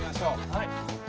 はい！